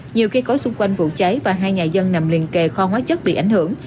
nhiều cây cối xung quanh vụ cháy và hai nhà dân nằm liền kề kho hóa chất bị ảnh hưởng